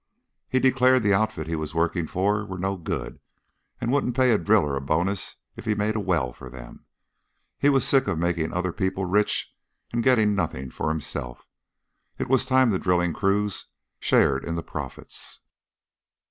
He declared the outfit he was working for were no good and wouldn't pay a driller a bonus if he made a well for them. He was sick of making other people rich and getting nothing for himself.... It was time the drilling crews shared in the profits....